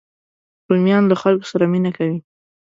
رومیان له خلکو سره مینه کوي